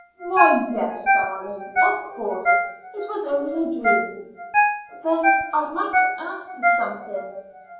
"Why, yes, darling; of course it was only a dream." "Then I'd like to ask you something."